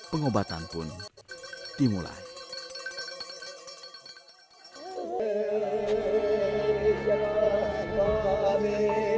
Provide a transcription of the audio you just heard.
pengobatan pun dimulai